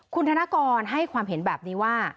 คุณธนกรให้ความเห็นแบบนี้ว่า